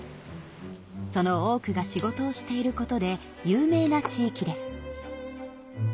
その多くが仕事をしていることで有名な地域です。